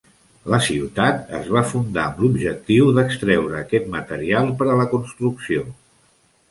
La ciutat es va fundar amb l'objectiu d'extreure aquest material per a la construcció.